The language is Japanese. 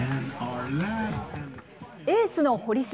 エースの堀島。